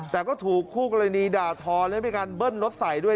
แต่ก็ถูกคู่กรณีด่าทอและมีการเบิ้ลรถใส่ด้วย